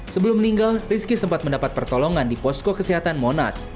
sebelum meninggal rizky sempat mendapat pertolongan di posko kesehatan monas